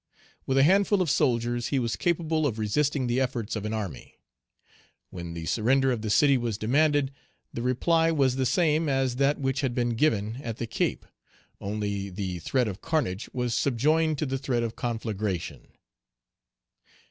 With a handful of soldiers, he was capable of resisting the efforts of an army. When the surrender of the city was demanded, the reply was the same as that which had been given at the Cape, only the threat of carnage was subjoined to the threat of conflagration.